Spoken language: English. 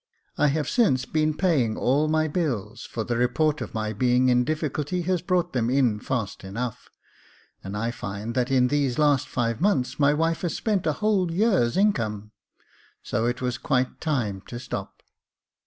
I have since been paying all my bills, for the report of my being in difficulty has brought them in fast enough •, and I find that in these last five months my wife has spent a whole year's income ; so it was quite time to stop."